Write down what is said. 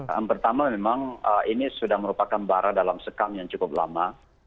yang pertama memang ini sudah merupakan bara dalam sekam yang cukup lama